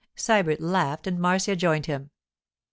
Sybert laughed and Marcia joined him.